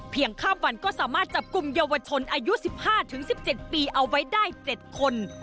เพียงข้ามวันก็สามารถจับกลุ่มเยาวชนอายุสิบห้าถึงสิบเจ็ดปีเอาไว้ได้เจ็ดคน